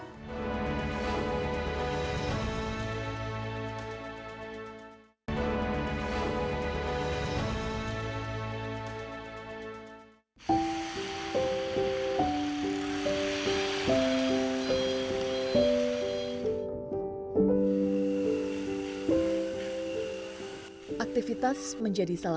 sampai jumpa di video selanjutnya